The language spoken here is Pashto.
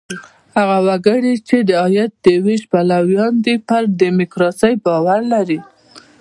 هغه وګړي، چې د عاید د وېش پلویان دي، پر ډیموکراسۍ باور لري.